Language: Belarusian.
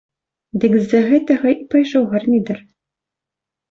Дык з-за гэтага і пайшоў гармідар.